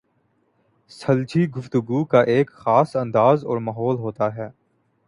سلجھی گفتگو کا ایک خاص انداز اور ماحول ہوتا ہے۔